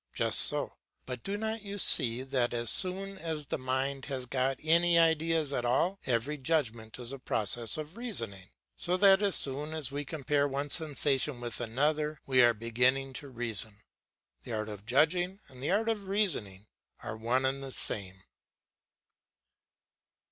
Just so; but do not you see that as soon as the mind has got any ideas at all, every judgment is a process of reasoning? So that as soon as we compare one sensation with another, we are beginning to reason. The art of judging and the art of reasoning are one and the same.